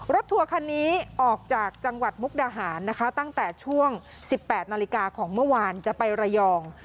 ทัวร์คันนี้ออกจากจังหวัดมุกดาหารนะคะตั้งแต่ช่วง๑๘นาฬิกาของเมื่อวานจะไประยอง